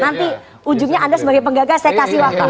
nanti ujungnya anda sebagai penggagas saya kasih waktu